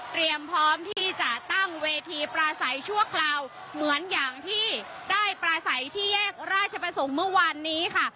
พร้อมที่จะตั้งเวทีปราศัยชั่วคราวเหมือนอย่างที่ได้ปราศัยที่แยกราชประสงค์เมื่อวานนี้ค่ะ